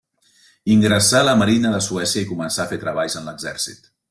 Ingressà a la Marina de Suècia i començà a fer treballs en l'exèrcit.